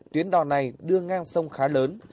tuyến đỏ này đưa ngang sông khá lớn